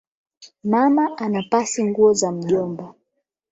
Mama anapasi nguo za mjomba